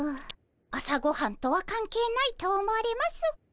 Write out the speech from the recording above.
朝ごはんとは関係ないと思われます。